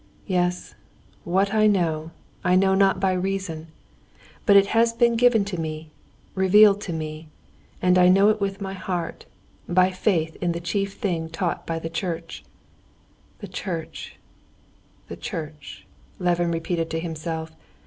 "Yes, what I know, I know not by reason, but it has been given to me, revealed to me, and I know it with my heart, by faith in the chief thing taught by the church. "The church! the church!" Levin repeated to himself.